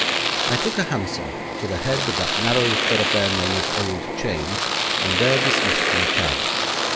I took a hansom to the head of that narrow thoroughfare known as Old Change, and there dismissed my cab.